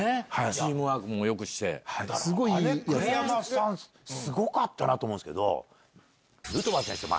あれ栗山さんすごかったな！と思うんすけどヌートバー選手って。